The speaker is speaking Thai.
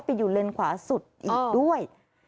ไปอยู่เลนขวาสุดอีกด้วย